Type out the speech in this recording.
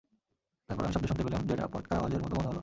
তারপর আমি শব্দ শুনতে পেলাম, যেটা পটকার আওয়াজের মতো মনে হলো।